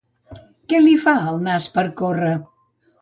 Què li fa el nas per a córrer?